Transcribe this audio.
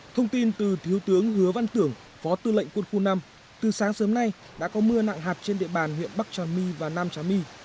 thông tin từ thiếu tướng hứa văn tưởng phó tư lệnh quân khu năm từ sáng sớm nay đã có mưa nặng hạt trên địa bàn huyện bắc trà my và nam trà my